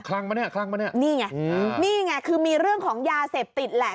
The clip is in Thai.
ลั่งปะเนี่ยคลั่งปะเนี่ยนี่ไงอืมนี่ไงคือมีเรื่องของยาเสพติดแหละ